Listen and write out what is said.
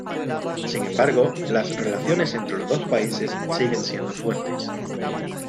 Sin embargo, las relaciones entre los dos países siguen siendo fuertes.